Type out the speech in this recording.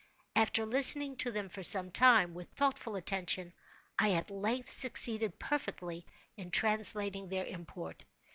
After listening to them for some time, with thoughtful attention, I at length succeeded perfectly in translating their import.